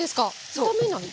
炒めない？